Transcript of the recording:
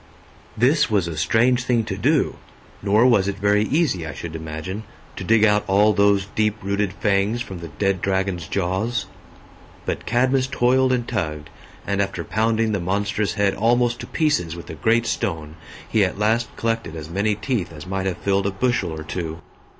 This was a strange thing to do; nor was it very easy, I should imagine, to dig out all those deep rooted fangs from the dead dragon's jaws. But Cadmus toiled and tugged, and after pounding the monstrous head almost to pieces with a great stone, he at last collected as many teeth as might have filled a bushel or two.